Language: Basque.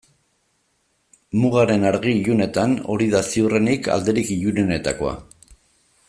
Mugaren argi-ilunetan hori da ziurrenik alderik ilunenetakoa.